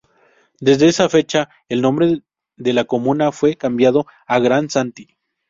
Desde esa fecha el nombre de la comuna fue cambiado a Grand-Santi.